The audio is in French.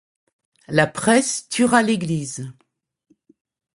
La presse tuera l'église.